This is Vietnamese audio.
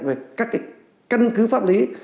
về các cái cân cứ pháp lý